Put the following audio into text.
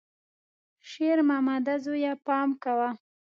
شېرمامده زویه، پام کوه!